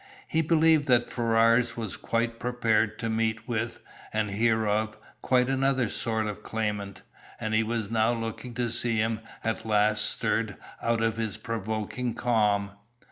He believed that Ferrars was quite prepared to meet with, and hear of, quite another sort of claimant, and he was now looking to see him at last stirred out of his provoking calm.